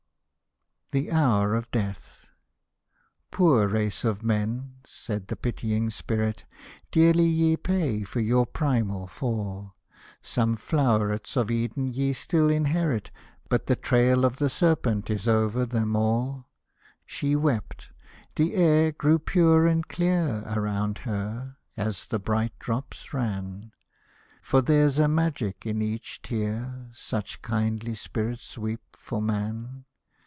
THE HOUR OF DE^TH " Poor race of men !" said the pitying Spirit, " Dearly ye pay for your primal Fall — Some flowerets of Eden ye still inherit. But the trail of the Serpent is over them all!" Hosted by Google PARADISE AND THE PERI 129 She wept — the air grew pure and clear Around her, as the bright drops ran ; For there's a magic in each tear, Such kindly Spirits weep for man